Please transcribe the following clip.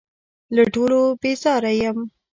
له ټولو بېزاره یم .